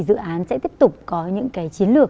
dự án sẽ tiếp tục có những chiến lược